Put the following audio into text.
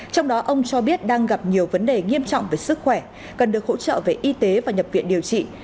trong đó ông cho biết đang gặp nhiều vấn đề nghiêm trọng về sức khỏe cần được hỗ trợ về y tế và nhập viện điều trị